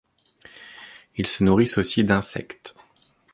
Ils se nourrissent aussi d'insectes.